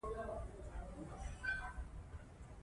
دوی له رڼایي څخه ډېر بد راځي.